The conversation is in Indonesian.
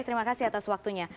terima kasih atas waktunya